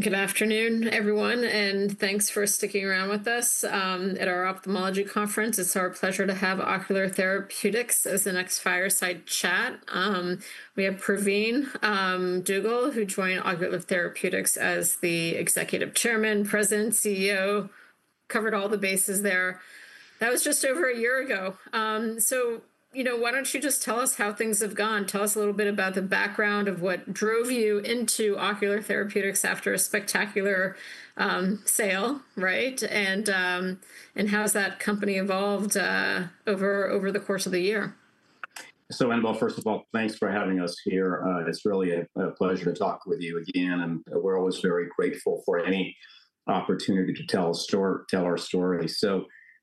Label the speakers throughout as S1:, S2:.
S1: Good afternoon, everyone, and thanks for sticking around with us at our ophthalmology conference. It's our pleasure to have Ocular Therapeutix as the next fireside chat. We have Pravin Dugel, who joined Ocular Therapeutix as the Executive Chairman, President, CEO, covered all the bases there. That was just over a year ago. You know, why don't you just tell us how things have gone? Tell us a little bit about the background of what drove you into Ocular Therapeutix after a spectacular sale, right? How has that company evolved over the course of the year?
S2: First of all, thanks for having us here. It's really a pleasure to talk with you again, and we're always very grateful for any opportunity to tell our story.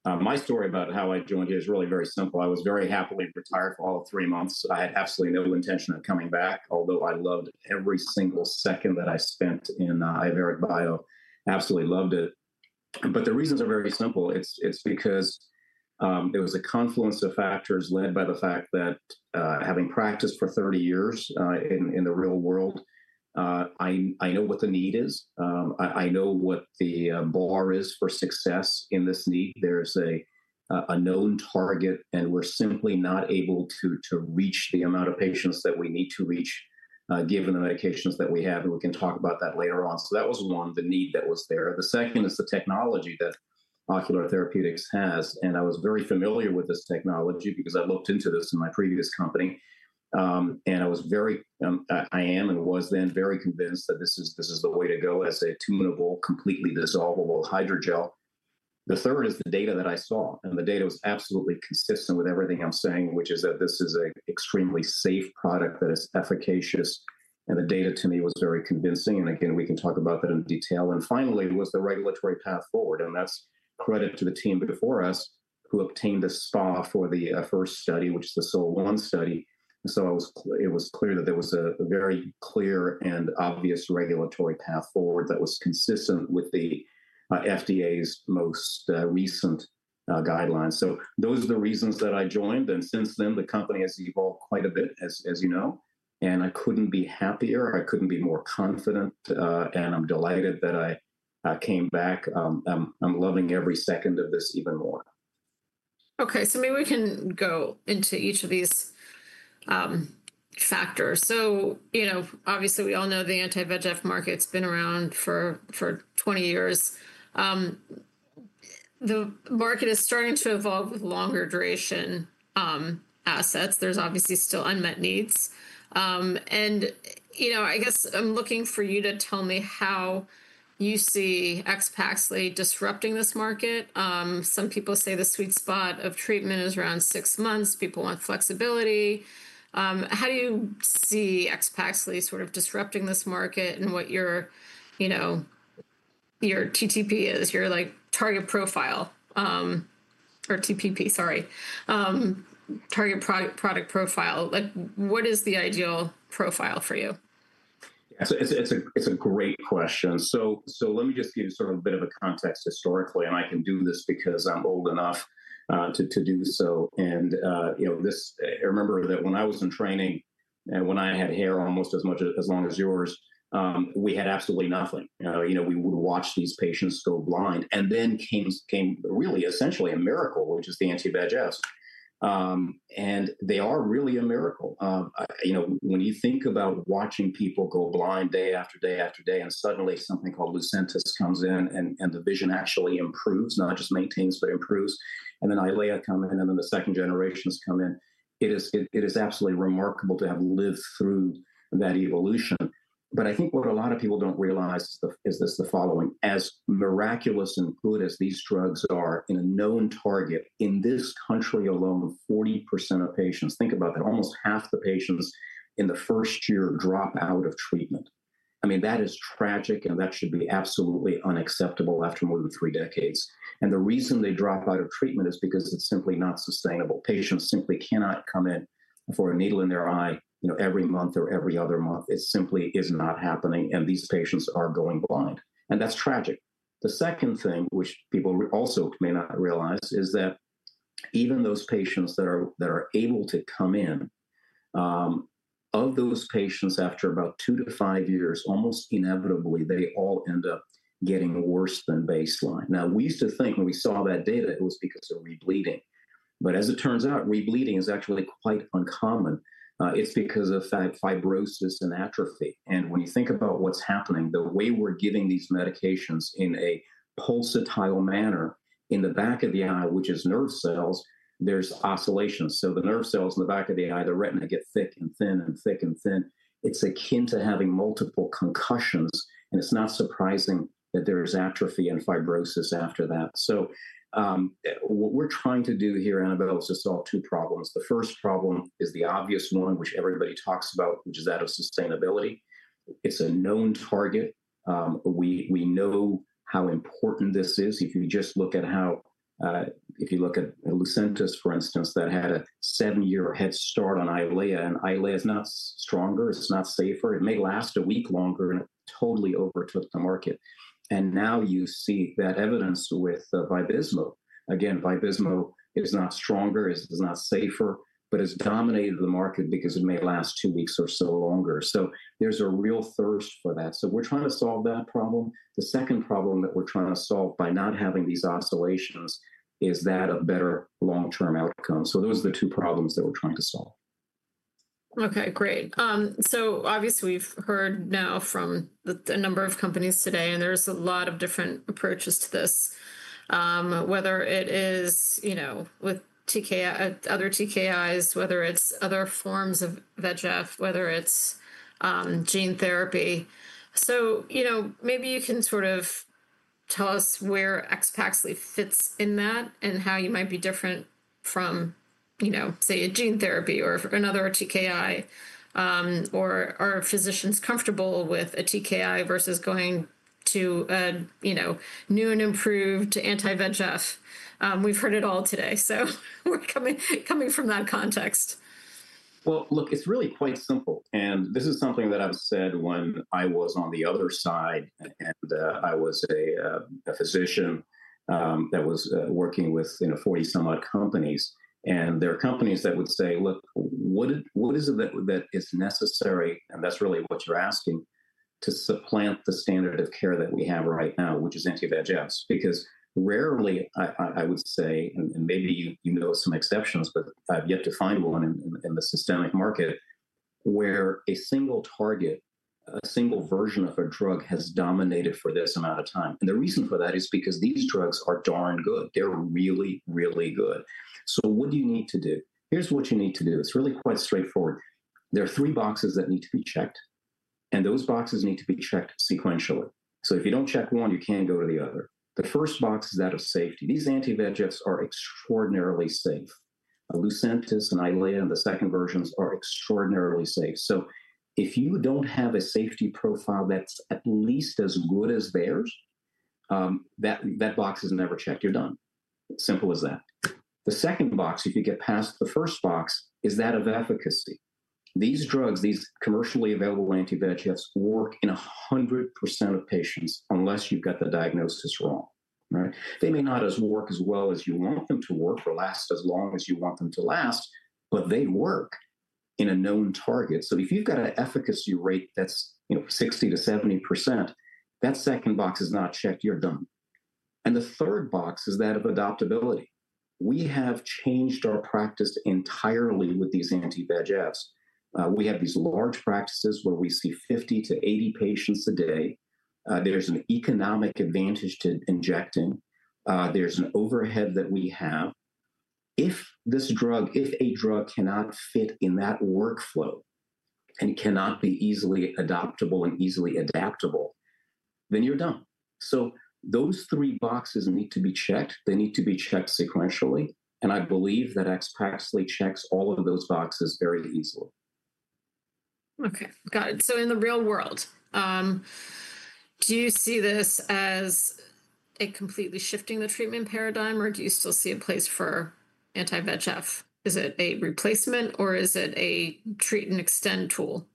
S2: My story about how I joined you is really very simple. I was very happily retired for all three months. I had absolutely no intention of coming back, although I loved every single second that I spent in Iveric Bio. Absolutely loved it. The reasons are very simple. It's because it was a confluence of factors led by the fact that having practiced for 30 years in the real world, I know what the need is. I know what the bar is for success in this need. There is a known target, and we're simply not able to reach the amount of patients that we need to reach, given the medications that we have. We can talk about that later on. That was one, the need that was there. The second is the technology that Ocular Therapeutix has. I was very familiar with this technology because I looked into this in my previous company. I was very, I am and was then very convinced that this is the way to go as a tunable, completely dissolvable hydrogel. The third is the data that I saw. The data was absolutely consistent with everything I'm saying, which is that this is an extremely safe product that is efficacious. The data to me was very convincing. Again, we can talk about that in detail. Finally, it was the regulatory path forward. That is credit to the team before us who obtained the SPA for the first study, which is the SOL-1 study. It was clear that there was a very clear and obvious regulatory path forward that was consistent with the FDA's most recent guidelines. Those are the reasons that I joined. Since then, the company has evolved quite a bit, as you know. I couldn't be happier. I couldn't be more confident. I'm delighted that I came back. I'm loving every second of this even more. Okay, so maybe we can go into each of these factors. You know, obviously, we all know the anti-VEGF market's been around for 20 years. The market is starting to evolve with longer duration assets. There's obviously still unmet needs. You know, I guess I'm looking for you to tell me how you see AXPAXLI disrupting this market. Some people say the sweet spot of treatment is around six months. People want flexibility. How do you see AXPAXLI sort of disrupting this market and what your, you know, your TPP is, your target profile or TPP, sorry, target product profile? Like, what is the ideal profile for you? Yeah, it's a great question. Let me just give you sort of a bit of a context historically. I can do this because I'm old enough to do so. You know, remember that when I was in training and when I had hair almost as long as yours, we had absolutely nothing. You know, we would watch these patients go blind. Then came really essentially a miracle, which is the anti-VEGF. They are really a miracle. You know, when you think about watching people go blind day after day after day and suddenly something called Lucentis comes in and the vision actually improves, not just maintains, but improves. Then Eylea comes in and then the second generations come in. It is absolutely remarkable to have lived through that evolution. I think what a lot of people do not realize is the following: as miraculous and good as these drugs are in a known target, in this country alone, 40% of patients, think about that, almost half the patients in the first year drop out of treatment. I mean, that is tragic and that should be absolutely unacceptable after more than three decades. The reason they drop out of treatment is because it is simply not sustainable. Patients simply cannot come in for a needle in their eye, you know, every month or every other month. It simply is not happening. These patients are going blind. That is tragic. The second thing, which people also may not realize, is that even those patients that are able to come in, of those patients after about two to five years, almost inevitably, they all end up getting worse than baseline. Now, we used to think when we saw that data it was because of rebleeding. As it turns out, rebleeding is actually quite uncommon. It is because of fibrosis and atrophy. When you think about what is happening, the way we are giving these medications in a pulsatile manner in the back of the eye, which is nerve cells, there are oscillations. The nerve cells in the back of the eye, the retina, get thick and thin and thick and thin. It is akin to having multiple concussions. It is not surprising that there is atrophy and fibrosis after that. What we are trying to do here at Annabel is to solve two problems. The first problem is the obvious one, which everybody talks about, which is that of sustainability. It is a known target. We know how important this is. If you just look at how, if you look at Lucentis, for instance, that had a seven-year head start on Eylea. Eylea is not stronger. It is not safer. It may last a week longer and totally overtook the market. Now you see that evidence with Vabysmo. Again, Vabysmo is not stronger, is not safer, but has dominated the market because it may last two weeks or so longer. There is a real thirst for that. We are trying to solve that problem. The second problem that we are trying to solve by not having these oscillations is that of better long-term outcomes. Those are the two problems that we are trying to solve. Okay, great. Obviously, we've heard now from a number of companies today, and there's a lot of different approaches to this, whether it is, you know, with other TKIs, whether it's other forms of VEGF, whether it's gene therapy. You know, maybe you can sort of tell us where AXPAXLI fits in that and how you might be different from, you know, say, a gene therapy or another TKI, or are physicians comfortable with a TKI versus going to a, you know, new and improved anti-VEGF? We've heard it all today. We're coming from that context. It is really quite simple. This is something that I have said when I was on the other side, and I was a physician that was working with, you know, 40-some-odd companies. There are companies that would say, look, what is it that is necessary, and that is really what you are asking, to supplant the standard of care that we have right now, which is anti-VEGFs? Because rarely, I would say, and maybe you know some exceptions, but I have yet to find one in the systemic market where a single target, a single version of a drug has dominated for this amount of time. The reason for that is because these drugs are darn good. They are really, really good. What do you need to do? Here is what you need to do. It is really quite straightforward. There are three boxes that need to be checked. Those boxes need to be checked sequentially. If you do not check one, you cannot go to the other. The first box is that of safety. These anti-VEGFs are extraordinarily safe. Lucentis and Eylea and the second versions are extraordinarily safe. If you do not have a safety profile that is at least as good as theirs, that box is never checked. You are done. Simple as that. The second box, if you get past the first box, is that of efficacy. These drugs, these commercially available anti-VEGFs work in 100% of patients unless you have got the diagnosis wrong. They may not work as well as you want them to work or last as long as you want them to last, but they work in a known target. If you have got an efficacy rate that is, you know, 60%-70%, that second box is not checked. You are done. The third box is that of adoptability. We have changed our practice entirely with these anti-VEGFs. We have these large practices where we see 50-80 patients a day. There is an economic advantage to injecting. There is an overhead that we have. If this drug, if a drug cannot fit in that workflow and cannot be easily adoptable and easily adaptable, then you are done. Those three boxes need to be checked. They need to be checked sequentially. I believe that AXPAXLI checks all of those boxes very easily. Okay, got it. In the real world, do you see this as completely shifting the treatment paradigm, or do you still see a place for anti-VEGF? Is it a replacement, or is it a treat and extend tool?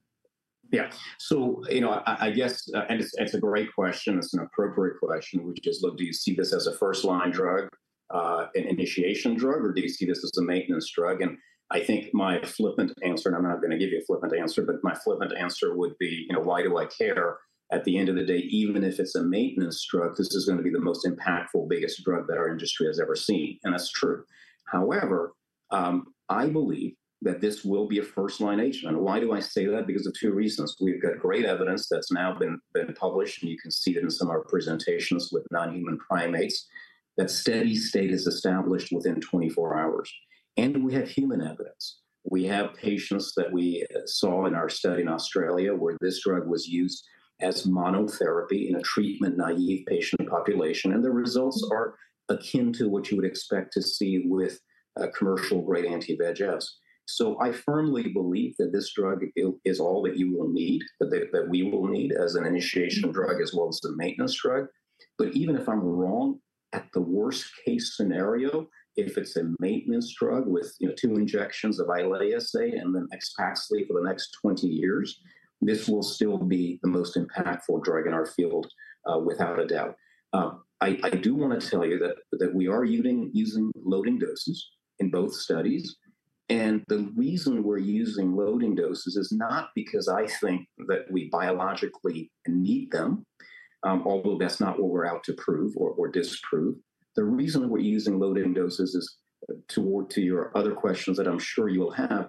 S2: Yeah, so, you know, I guess, and it's a great question. It's an appropriate question. We just look, do you see this as a first-line drug, an initiation drug, or do you see this as a maintenance drug? I think my flippant answer, and I'm not going to give you a flippant answer, but my flippant answer would be, you know, why do I care? At the end of the day, even if it's a maintenance drug, this is going to be the most impactful, biggest drug that our industry has ever seen. That's true. However, I believe that this will be a first-line agent. Why do I say that? Because of two reasons. We've got great evidence that's now been published, and you can see it in some of our presentations with non-human primates, that steady state is established within 24 hours. We have human evidence. We have patients that we saw in our study in Australia where this drug was used as monotherapy in a treatment-naive patient population. The results are akin to what you would expect to see with commercial-grade anti-VEGFs. I firmly believe that this drug is all that you will need, that we will need as an initiation drug as well as a maintenance drug. Even if I'm wrong, at the worst-case scenario, if it's a maintenance drug with two injections of Eylea and then AXPAXLI for the next 20 years, this will still be the most impactful drug in our field, without a doubt. I do want to tell you that we are using loading doses in both studies. The reason we're using loading doses is not because I think that we biologically need them, although that's not what we're out to prove or disprove. The reason we're using loading doses is, toward your other questions that I'm sure you'll have,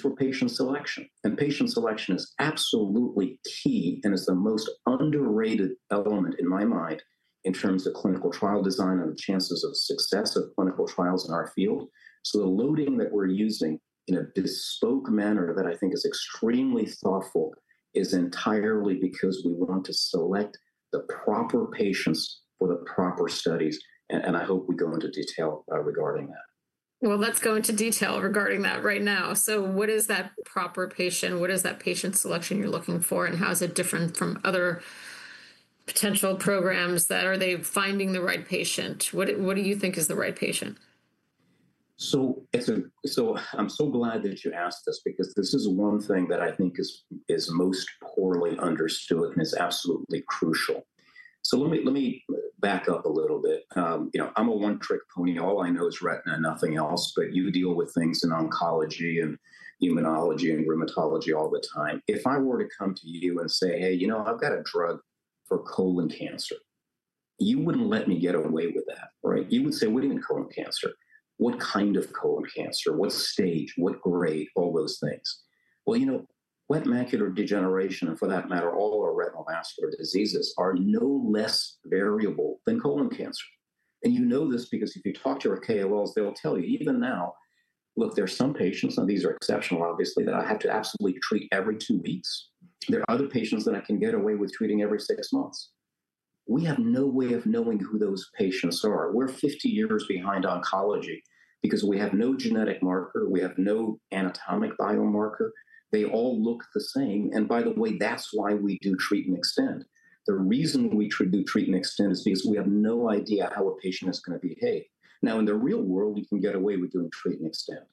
S2: for patient selection. Patient selection is absolutely key and is the most underrated element in my mind in terms of clinical trial design and the chances of success of clinical trials in our field. The loading that we're using in a bespoke manner that I think is extremely thoughtful is entirely because we want to select the proper patients for the proper studies. I hope we go into detail regarding that. Let's go into detail regarding that right now. What is that proper patient? What is that patient selection you're looking for? How is it different from other potential programs? Are they finding the right patient? What do you think is the right patient? I'm so glad that you asked this because this is one thing that I think is most poorly understood and is absolutely crucial. Let me back up a little bit. You know, I'm a one-trick pony. All I know is retina and nothing else. You deal with things in oncology and immunology and rheumatology all the time. If I were to come to you and say, "Hey, you know, I've got a drug for colon cancer," you wouldn't let me get away with that, right? You would say, "What do you mean colon cancer? What kind of colon cancer? What stage? What grade?" All those things. Wet macular degeneration and for that matter, all our retinal vascular diseases are no less variable than colon cancer. You know this because if you talk to your KOLs, they'll tell you, even now, look, there are some patients, and these are exceptional, obviously, that I have to absolutely treat every two weeks. There are other patients that I can get away with treating every six months. We have no way of knowing who those patients are. We're 50 years behind oncology because we have no genetic marker. We have no anatomic biomarker. They all look the same. By the way, that's why we do treat and extend. The reason we do treat and extend is because we have no idea how a patient is going to behave. Now, in the real world, we can get away with doing treat and extend.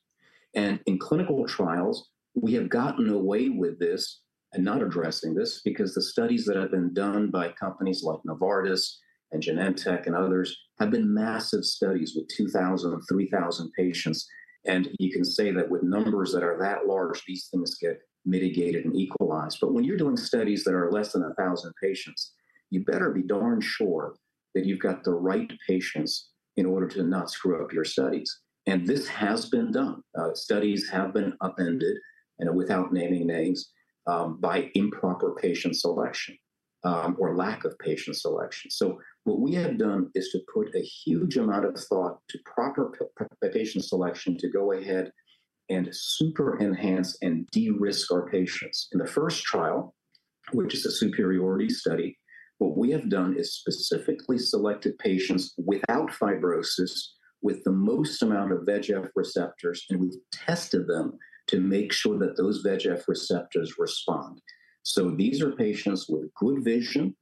S2: In clinical trials, we have gotten away with this and not addressing this because the studies that have been done by companies like Novartis and Genentech and others have been massive studies with 2,000, 3,000 patients. You can say that with numbers that are that large, these things get mitigated and equalized. When you're doing studies that are less than 1,000 patients, you better be darn sure that you've got the right patients in order to not screw up your studies. This has been done. Studies have been upended, and without naming names, by improper patient selection or lack of patient selection. What we have done is to put a huge amount of thought to proper patient selection to go ahead and super-enhance and de-risk our patients. In the first trial, which is a superiority study, what we have done is specifically selected patients without fibrosis with the most amount of VEGF receptors, and we've tested them to make sure that those VEGF receptors respond. So these are patients with good vision,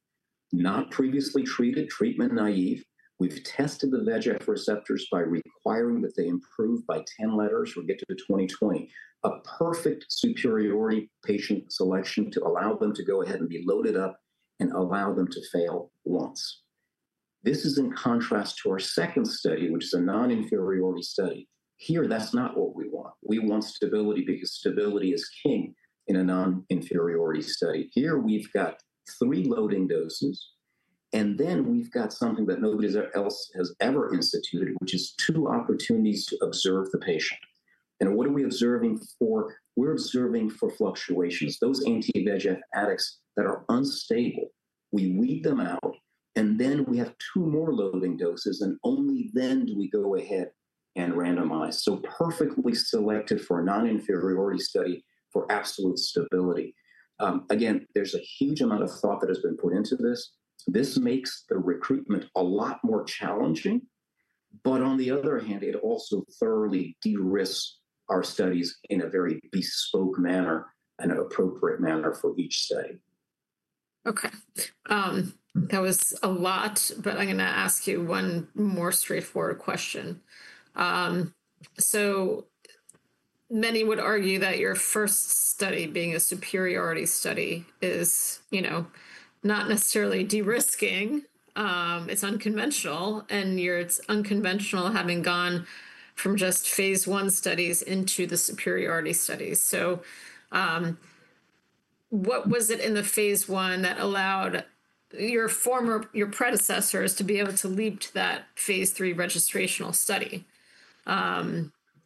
S2: not previously treated, treatment naive. We've tested the VEGF receptors by requiring that they improve by 10 letters or get to 20/20. A perfect superiority patient selection to allow them to go ahead and be loaded up and allow them to fail once. This is in contrast to our second study, which is a non-inferiority study. Here, that's not what we want. We want stability because stability is king in a non-inferiority study. Here, we've got three loading doses, and then we've got something that nobody else has ever instituted, which is two opportunities to observe the patient. And what are we observing for? We're observing for fluctuations. Those anti-VEGF addicts that are unstable, we weed them out, and then we have two more loading doses, and only then do we go ahead and randomize. Perfectly selected for a non-inferiority study for absolute stability. Again, there's a huge amount of thought that has been put into this. This makes the recruitment a lot more challenging, but on the other hand, it also thoroughly de-risked our studies in a very bespoke manner and an appropriate manner for each study. Okay. That was a lot, but I'm going to ask you one more straightforward question. Many would argue that your first study being a superiority study is, you know, not necessarily de-risking. It's unconventional, and it's unconventional having gone from just phase I studies into the superiority studies. What was it in the phase I that allowed your predecessors to be able to leap to that phase III registrational study?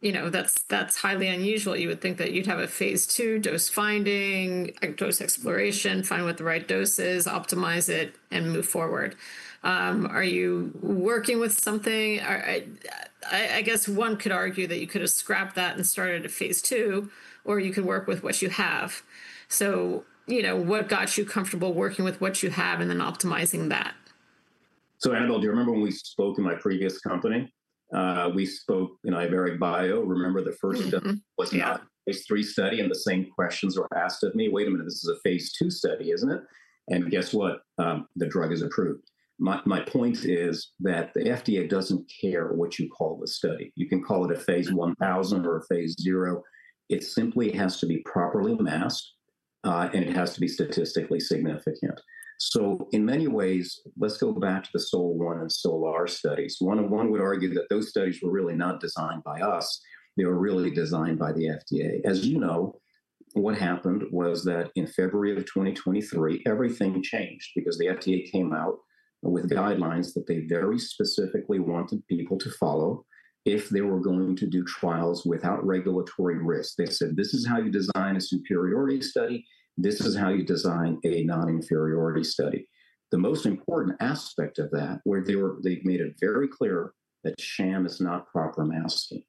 S2: You know, that's highly unusual. You would think that you'd have a phase II dose finding, dose exploration, find what the right dose is, optimize it, and move forward. Are you working with something? I guess one could argue that you could have scrapped that and started at phase II, or you could work with what you have. You know, what got you comfortable working with what you have and then optimizing that? Annabel, do you remember when we spoke in my previous company? We spoke in Iveric Bio. Remember the first study? Mm-hmm. It was not a phase III study, and the same questions were asked of me. Wait a minute, this is a phase II study, isn't it? And guess what? The drug is approved. My point is that the FDA doesn't care what you call the study. You can call it a phase 1000 or a phase zero. It simply has to be properly masked, and it has to be statistically significant. In many ways, let's go back to the SOL-1 and SOL-R studies. One would argue that those studies were really not designed by us. They were really designed by the FDA. As you know, what happened was that in February of 2023, everything changed because the FDA came out with guidelines that they very specifically wanted people to follow if they were going to do trials without regulatory risk. They said, this is how you design a superiority study. This is how you design a non-inferiority study. The most important aspect of that, where they made it very clear that sham is not proper masking.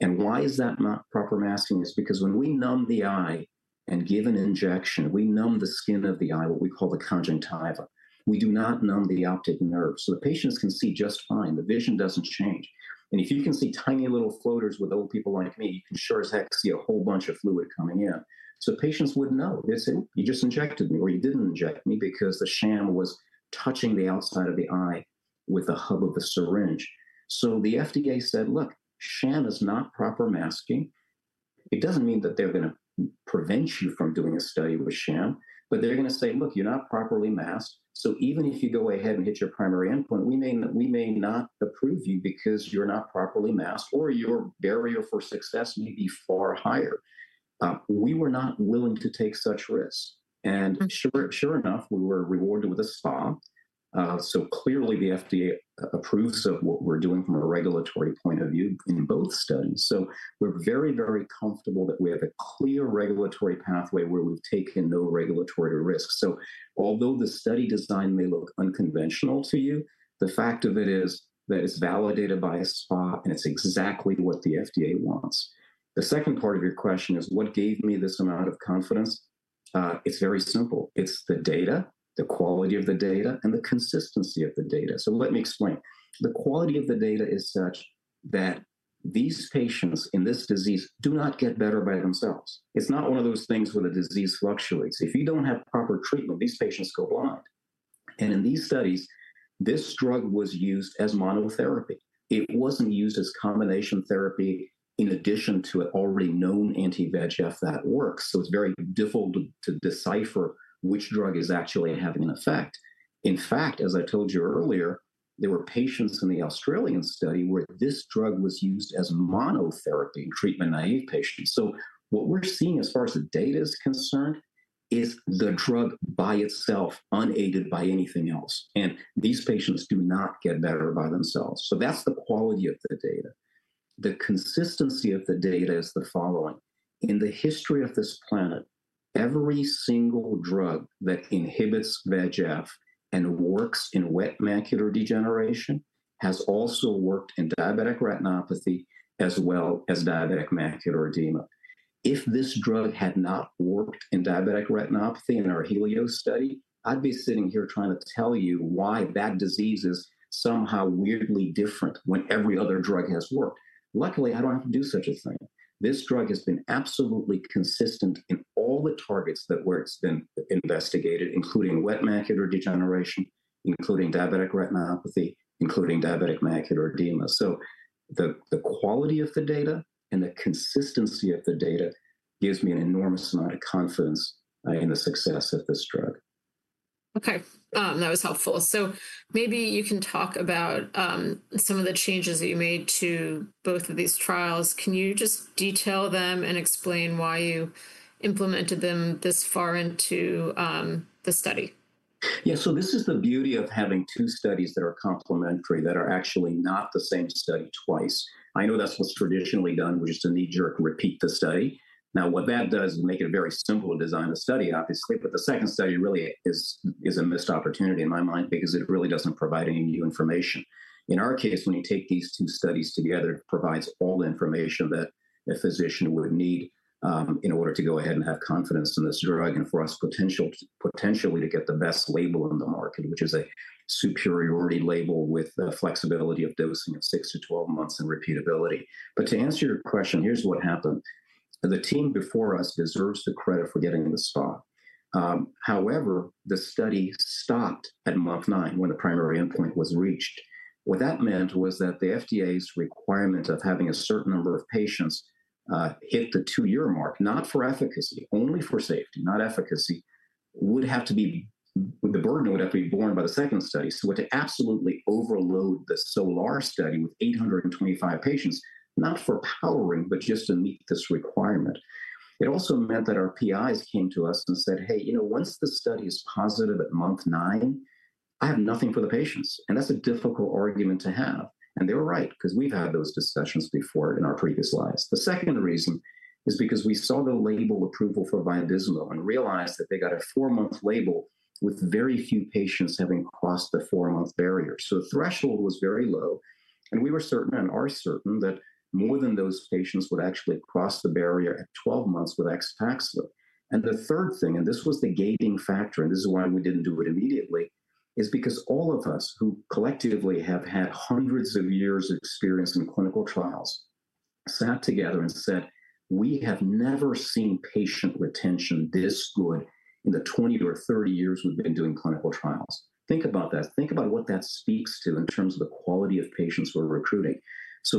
S2: Why is that not proper masking? It is because when we numb the eye and give an injection, we numb the skin of the eye, what we call the conjunctiva. We do not numb the optic nerve. The patients can see just fine. The vision does not change. If you can see tiny little floaters with old people like me, you can sure as heck see a whole bunch of fluid coming in. Patients would know. They would say, you just injected me, or you did not inject me because the sham was touching the outside of the eye with the hub of the syringe. The FDA said, look, sham is not proper masking. It does not mean that they are going to prevent you from doing a study with sham, but they are going to say, look, you are not properly masked. Even if you go ahead and hit your primary endpoint, we may not approve you because you are not properly masked, or your barrier for success may be far higher. We were not willing to take such risks. Sure enough, we were rewarded with a SPA. Clearly, the FDA approves of what we are doing from a regulatory point of view in both studies. We are very, very comfortable that we have a clear regulatory pathway where we have taken no regulatory risks. Although the study design may look unconventional to you, the fact of it is that it is validated by a SPA, and it is exactly what the FDA wants. The second part of your question is, what gave me this amount of confidence? It's very simple. It's the data, the quality of the data, and the consistency of the data. Let me explain. The quality of the data is such that these patients in this disease do not get better by themselves. It's not one of those things where the disease fluctuates. If you don't have proper treatment, these patients go blind. In these studies, this drug was used as monotherapy. It wasn't used as combination therapy in addition to an already known anti-VEGF that works. It's very difficult to decipher which drug is actually having an effect. In fact, as I told you earlier, there were patients in the Australian study where this drug was used as monotherapy in treatment naive patients. What we're seeing as far as the data is concerned is the drug by itself, unaided by anything else. These patients do not get better by themselves. That's the quality of the data. The consistency of the data is the following. In the history of this planet, every single drug that inhibits VEGF and works in wet macular degeneration has also worked in diabetic retinopathy as well as diabetic macular edema. If this drug had not worked in diabetic retinopathy in our Helio study, I'd be sitting here trying to tell you why that disease is somehow weirdly different when every other drug has worked. Luckily, I don't have to do such a thing. This drug has been absolutely consistent in all the targets where it's been investigated, including wet macular degeneration, including diabetic retinopathy, including diabetic macular edema. The quality of the data and the consistency of the data gives me an enormous amount of confidence in the success of this drug. Okay. That was helpful. Maybe you can talk about some of the changes that you made to both of these trials. Can you just detail them and explain why you implemented them this far into the study? Yeah. This is the beauty of having two studies that are complementary that are actually not the same study twice. I know that's what's traditionally done, which is to knee-jerk repeat the study. What that does is make it a very simple design of study, obviously. The second study really is a missed opportunity in my mind because it really doesn't provide any new information. In our case, when you take these two studies together, it provides all the information that a physician would need in order to go ahead and have confidence in this drug and for us potentially to get the best label in the market, which is a superiority label with the flexibility of dosing of 6-12 months and repeatability. To answer your question, here's what happened. The team before us deserves the credit for getting the spot. However, the study stopped at month nine when the primary endpoint was reached. What that meant was that the FDA's requirement of having a certain number of patients hit the two-year mark, not for efficacy, only for safety, not efficacy, would have to be the burden would have to be borne by the second study. It absolutely overloaded the SOL-R study with 825 patients, not for powering, but just to meet this requirement. It also meant that our PIs came to us and said, "Hey, you know, once the study is positive at month nine, I have nothing for the patients." That is a difficult argument to have. They were right because we've had those discussions before in our previous lives. The second reason is because we saw the label approval for Vabysmo and realized that they got a four-month label with very few patients having crossed the four-month barrier. The threshold was very low, and we were certain and are certain that more than those patients would actually cross the barrier at 12 months with AXPAXLI. The third thing, and this was the gating factor, and this is why we did not do it immediately, is because all of us who collectively have had hundreds of years of experience in clinical trials sat together and said, "We have never seen patient retention this good in the 20 or 30 years we've been doing clinical trials." Think about that. Think about what that speaks to in terms of the quality of patients we're recruiting.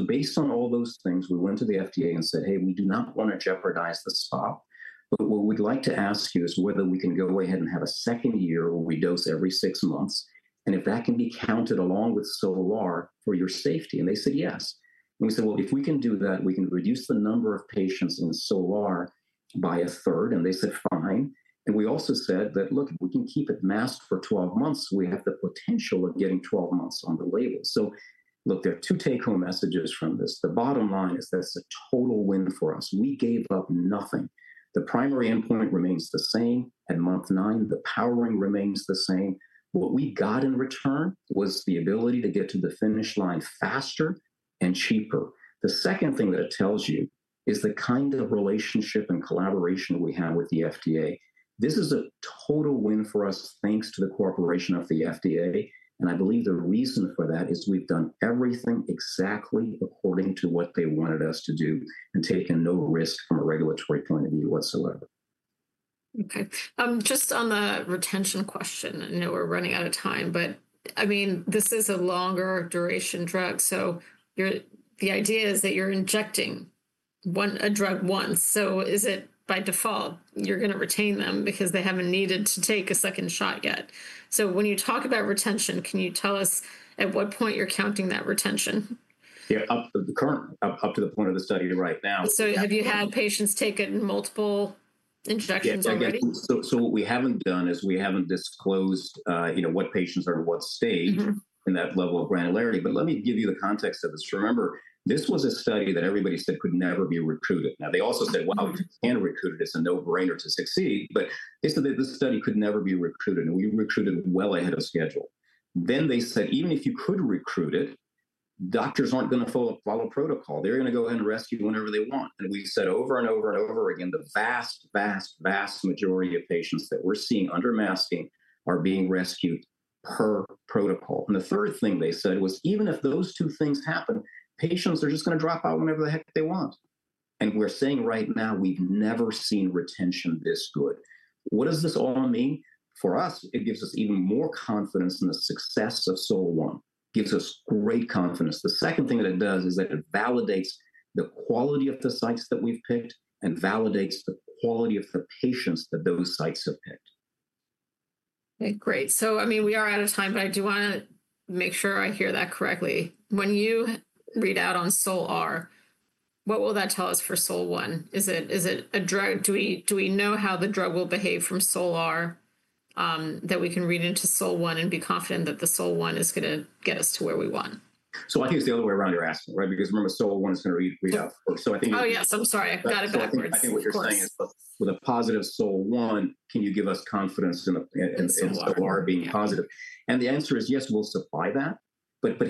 S2: Based on all those things, we went to the FDA and said, "Hey, we do not want to jeopardize the spot, but what we'd like to ask you is whether we can go ahead and have a second year where we dose every six months and if that can be counted along with SOL-R for your safety." They said, "Yes." We said, "If we can do that, we can reduce the number of patients in SOL-R by a third." They said, "Fine." We also said, "Look, if we can keep it masked for 12 months, we have the potential of getting 12 months on the label." There are two take-home messages from this. The bottom line is that's a total win for us. We gave up nothing. The primary endpoint remains the same at month nine. The powering remains the same. What we got in return was the ability to get to the finish line faster and cheaper. The second thing that it tells you is the kind of relationship and collaboration we have with the FDA. This is a total win for us thanks to the cooperation of the FDA. I believe the reason for that is we've done everything exactly according to what they wanted us to do and taken no risk from a regulatory point of view whatsoever. Okay. Just on the retention question, I know we're running out of time, but I mean, this is a longer duration drug. The idea is that you're injecting a drug once. Is it by default you're going to retain them because they haven't needed to take a second shot yet? When you talk about retention, can you tell us at what point you're counting that retention? Yeah, up to the point of the study right now. Have you had patients taken multiple injections already? What we have not done is we have not disclosed, you know, what patients are in what stage in that level of granularity. Let me give you the context of this. Remember, this was a study that everybody said could never be recruited. They also said, "If you can recruit it, it is a no-brainer to succeed." They said that this study could never be recruited, and we recruited well ahead of schedule. They said, "Even if you could recruit it, doctors are not going to follow protocol. They are going to go ahead and rescue whenever they want." We said over and over and over again, the vast, vast, vast majority of patients that we are seeing under masking are being rescued per protocol. The third thing they said was, "Even if those two things happen, patients are just going to drop out whenever the heck they want." We are saying right now, we've never seen retention this good. What does this all mean? For us, it gives us even more confidence in the success of SOL-1. It gives us great confidence. The second thing that it does is that it validates the quality of the sites that we've picked and validates the quality of the patients that those sites have picked. Okay, great. I mean, we are out of time, but I do want to make sure I hear that correctly. When you read out on SOL-R, what will that tell us for SOL-1? Is it a drug? Do we know how the drug will behave from SOL-R that we can read into SOL-1 and be confident that the SOL-1 is going to get us to where we want? I think it's the other way around you're asking, right? Because remember, SOL-1 is going to read out. I think. Oh, yes. I'm sorry. I got it backwards. I think what you're saying is, with a positive SOL-1, can you give us confidence in SOL-R being positive? The answer is yes, we'll supply that.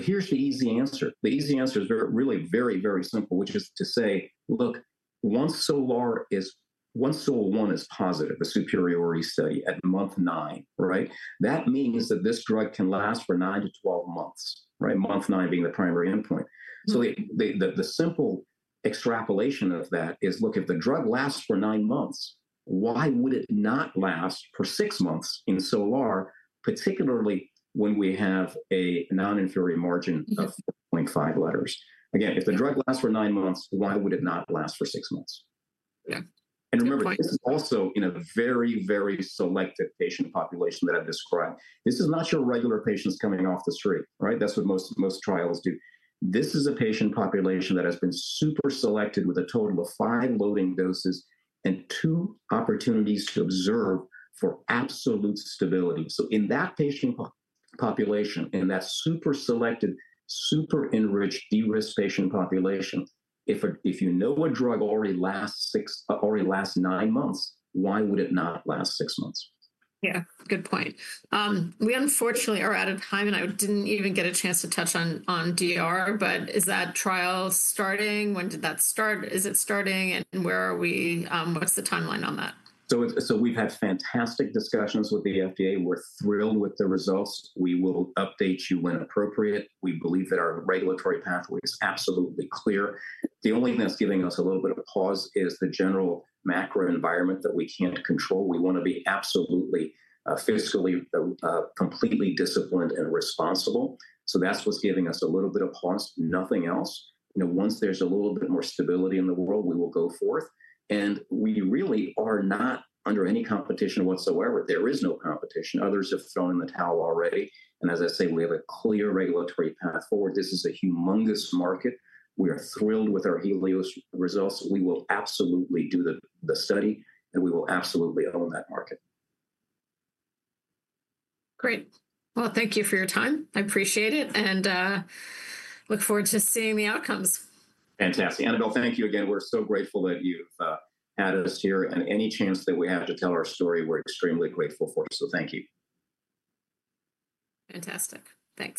S2: Here's the easy answer. The easy answer is really very, very simple, which is to say, look, once SOL-1 is positive, the superiority study at month nine, right? That means that this drug can last for 9 to 12 months, right? Month nine being the primary endpoint. The simple extrapolation of that is, look, if the drug lasts for nine months, why would it not last for six months in SOL-R, particularly when we have a non-inferior margin of 4.5 letters? Again, if the drug lasts for nine months, why would it not last for six months? Yeah. Remember, this is also in a very, very selective patient population that I've described. This is not your regular patients coming off the street, right? That's what most trials do. This is a patient population that has been super selected with a total of five loading doses and two opportunities to observe for absolute stability. In that patient population, in that super selected, super enriched, de-risk patient population, if you know a drug already lasts nine months, why would it not last six months? Yeah. Good point. We unfortunately are out of time, and I didn't even get a chance to touch on DR, but is that trial starting? When did that start? Is it starting? Where are we? What's the timeline on that? We have had fantastic discussions with the FDA. We are thrilled with the results. We will update you when appropriate. We believe that our regulatory pathway is absolutely clear. The only thing that is giving us a little bit of pause is the general macro environment that we cannot control. We want to be absolutely fiscally completely disciplined and responsible. That is what is giving us a little bit of pause, nothing else. You know, once there is a little bit more stability in the world, we will go forth. We really are not under any competition whatsoever. There is no competition. Others have thrown in the towel already. As I say, we have a clear regulatory path forward. This is a humongous market. We are thrilled with our HELIOS results. We will absolutely do the study, and we will absolutely own that market. Great. Thank you for your time. I appreciate it and look forward to seeing the outcomes. Fantastic. Annabel, thank you again. We're so grateful that you've had us here. Any chance that we have to tell our story, we're extremely grateful for it. Thank you. Fantastic. Thanks.